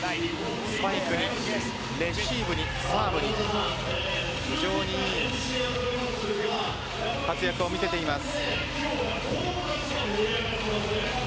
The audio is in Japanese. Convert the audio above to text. スパイクにレシーブにサーブに非常にいい活躍を見せています。